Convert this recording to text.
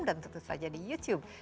dan tentu saja di youtube